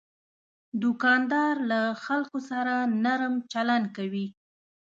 دوکاندار له خلکو سره نرم چلند کوي.